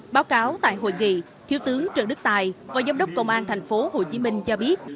báo cáo tại hội nghị thiếu tướng trần đức tài và giám đốc công an tp hcm cho biết